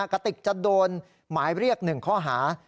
กระติกจะโดนหมายเรียก๑ข้อหา